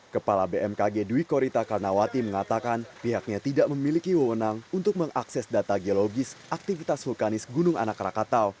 kepala bmkg dwi korita karnawati mengatakan pihaknya tidak memiliki wewenang untuk mengakses data geologis aktivitas vulkanis gunung anak rakatau